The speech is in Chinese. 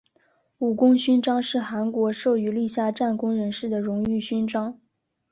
武功勋章是韩国授予立下战功人士的荣誉勋章。